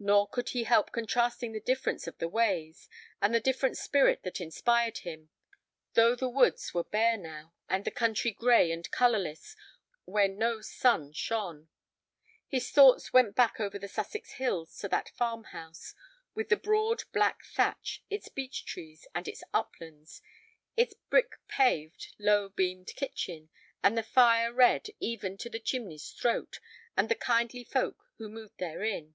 Nor could he help contrasting the difference of the ways, and the different spirit that inspired him, though the woods were bare now, and the country gray and colorless when no sun shone. His thoughts went back over the Sussex hills to that farm house with its broad black thatch, its beech trees, and its uplands, its brick paved, low beamed kitchen with the fire red even to the chimney's throat, and the kindly folk who moved therein.